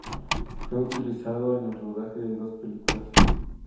Fue utilizado en el rodaje de dos películas.